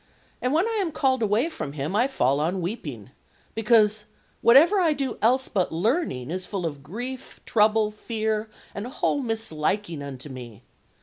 And when I am called away from him I fall on weeping, because, whatever I do else but learning is full of grief, trouble, fear, and whole misliking unto me.